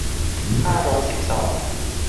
ห้าร้อยสิบสอง